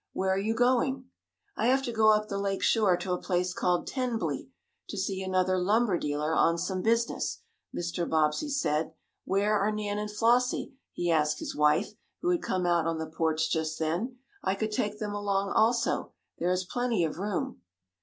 "Where are you going?" "I have to go up the lake shore, to a place called Tenbly, to see another lumber dealer on some business," Mr. Bobbsey said. "Where are Nan and Flossie?" he asked his wife, who had come out on the porch just then. "I could take them along also. There is plenty of room."